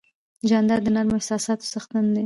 جانداد د نرمو احساساتو څښتن دی.